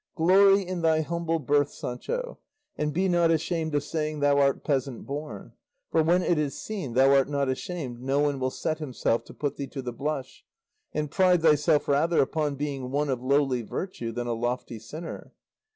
"Glory in thy humble birth, Sancho, and be not ashamed of saying thou art peasant born; for when it is seen thou art not ashamed no one will set himself to put thee to the blush; and pride thyself rather upon being one of lowly virtue than a lofty sinner.